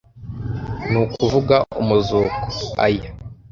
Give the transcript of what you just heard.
ni ukuvuga umuzuko (AYA),